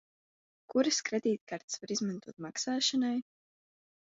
Kuras kredītkartes var izmantot maksāšanai?